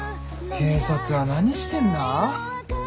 警察は何してんだ？